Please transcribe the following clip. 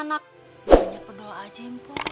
banyak berdoa aja mpo